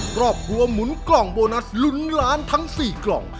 ครอบครัวหมุนกล่องโบนัสลุ้นล้านทั้ง๔กล่อง